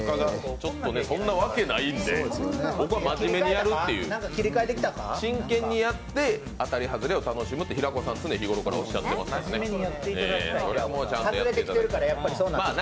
そんなわけないんで、ここは真面目にやるっていう、真剣にやって当たり外れを楽しむって平子さん、常日頃からおっしゃってますので。